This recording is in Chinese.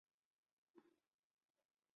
小囊鼠属等之数种哺乳动物。